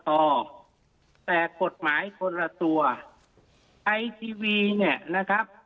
ออกแต่กฎหมายคนละตัวไอทีวีเนี่ยนะครับ